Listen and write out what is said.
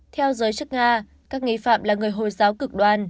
theo giới chức nga các nghi phạm là người hồi giáo cực đoan